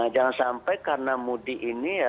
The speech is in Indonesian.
jangan sampai karena mudik ini ya